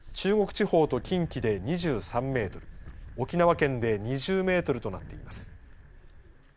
中国地方と近畿で２３メートル沖縄県で２０メートルとなっています。